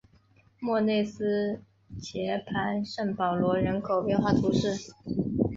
莫内斯捷旁圣保罗人口变化图示